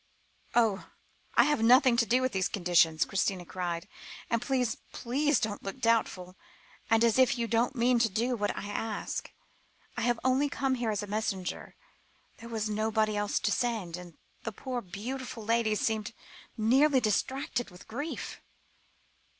"Oh! I have nothing to do with the conditions," Christina cried, "and please please don't look doubtful, and as if you didn't mean to do what I ask. I have only come here as a messenger. There was nobody else to send, and the poor, beautiful lady seemed nearly distracted with grief."